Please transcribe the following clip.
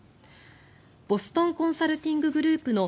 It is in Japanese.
ボストン・コンサルティング・グループの